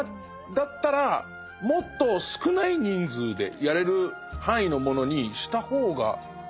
だったらもっと少ない人数でやれる範囲のものにした方がいいんじゃないか。